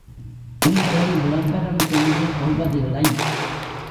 உங்களை விளம்பரம் செய்து கொள்வதில்லை.